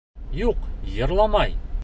Юҡ, йырламай!